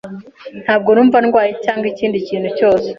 Ntabwo numva ndwaye cyangwa ikindi kintu cyose.